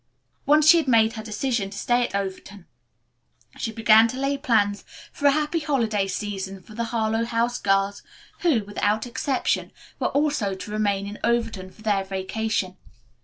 Once she had made her decision to stay at Overton she began to lay plans for a happy holiday season for the Harlowe House girls, who, without exception, were also to remain in Overton for their vacation.